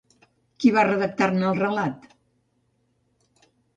Qui va redactar-ne el relat?